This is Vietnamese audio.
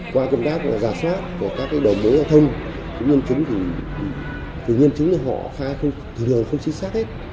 qua công tác giao sát của các đồng bộ giao thông nhân chứng thì họ thường không xí xác hết